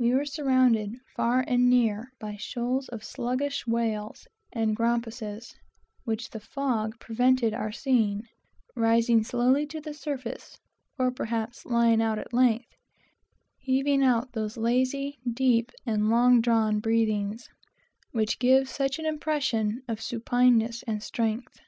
We were surrounded far and near by shoals of sluggish whales and grampuses; which the fog prevented our seeing, rising slowly to the surface, or perhaps lying out at length, heaving out those peculiar lazy, deep, and long drawn breathings which give such an impression of supineness and strength.